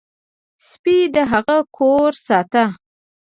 سپي د هغه کور ساته.